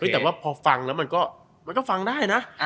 แต่ว่าพอฟังแล้วมันก็ฟังได้นะ